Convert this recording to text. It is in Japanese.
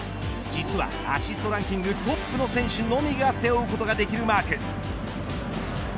実はアシストランキングトップの選手のみが背負うことができるマーク。